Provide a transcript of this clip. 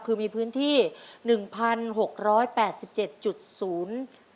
คือมีพื้นที่๑๖๘๗จุดสุด